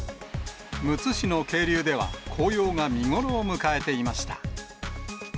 むつ市の渓流では、紅葉が見頃を迎えていました。